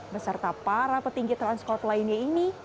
beserta para petinggi transport lainnya ini